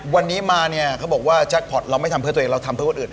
วันนี้มาเนี่ยเขาบอกว่าแจ็คพอร์ตเราไม่ทำเพื่อตัวเองเราทำเพื่อคนอื่น